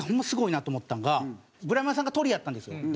すごいなと思ったんがブラマヨさんがトリやったんですよ。